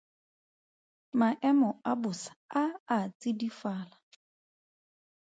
Maemo a bosa a a tsidifala.